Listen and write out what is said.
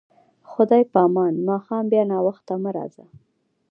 خدای په امان، ماښام بیا ناوخته مه راځه.